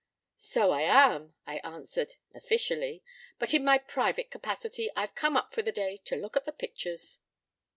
p> "So I am," I answered, "officially; but in my private capacity I've come up for the day to look at the pictures."